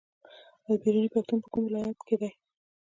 البیروني پوهنتون په کوم ولایت کې دی؟